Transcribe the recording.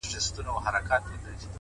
غربت مي شپې يوازي کړيدي تنها يمه زه،